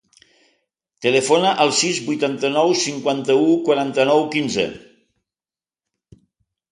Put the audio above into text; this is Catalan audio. Telefona al sis, vuitanta-nou, cinquanta-u, quaranta-nou, quinze.